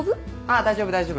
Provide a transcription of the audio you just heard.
あ大丈夫大丈夫。